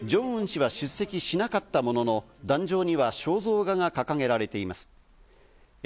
ジョンウン氏は出席しなかったものの、壇上には肖像画が掲げられています。